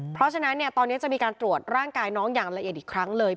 เพราะฉะนั้นเนี่ยตอนนี้จะมีการตรวจร่างกายน้องอย่างละเอียดอีกครั้งเลย